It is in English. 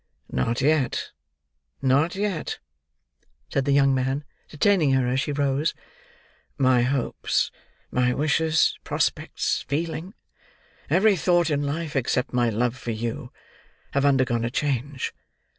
"Not yet, not yet," said the young man, detaining her as she rose. "My hopes, my wishes, prospects, feeling: every thought in life except my love for you: have undergone a change.